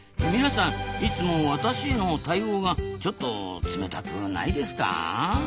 皆さんいつも私への対応がちょっと冷たくないですか？